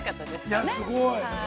◆いや、すごい。